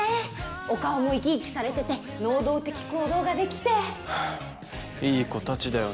お顔も生き生きされてて能動的行動ができていい子たちだよね